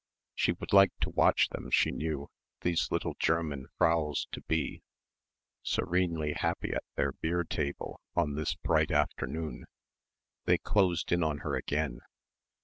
She would like to watch them, she knew; these little German Fraus to be serenely happy at their bier table on this bright afternoon. They closed in on her again.